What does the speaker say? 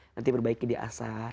nanti berbaiki di asar